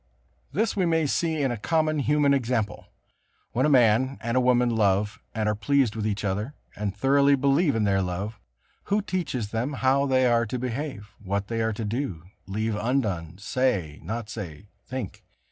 This we may see in a common human example. When a man and a woman love and are pleased with each other, and thoroughly believe in their love, who teaches them how they are to behave, what they are to do, leave undone, say, not say, think?